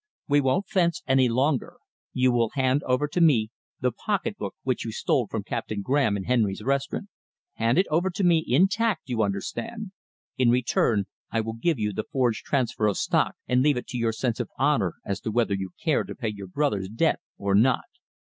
We won't fence any longer. You will hand over to me the pocketbook which you stole from Captain Graham in Henry's Restaurant. Hand it over to me intact, you understand. In return I will give you the forged transfer of stock, and leave it to your sense of honour as to whether you care to pay your brother's debt or not.